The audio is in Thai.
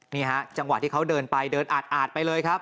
นี่ฮะจังหวะที่เขาเดินไปเดินอาดไปเลยครับ